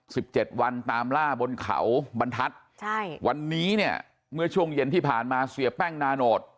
สิบเจ็ดวันตามล่าบนเขาบรรทัศน์ใช่วันนี้เนี่ยเมื่อช่วงเย็นที่ผ่านมาเสียแป้งนาโนต